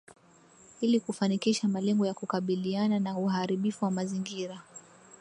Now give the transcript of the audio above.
ili kufanikisha malengo ya kukabiliana na uharibifu wa mazingira